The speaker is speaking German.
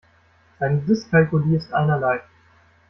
Seine Dyskalkulie ist einerlei.